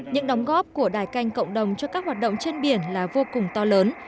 những đóng góp của đài canh cộng đồng cho các hoạt động trên biển là vô cùng to lớn